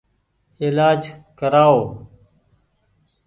ايلآج ڪرآئو ۔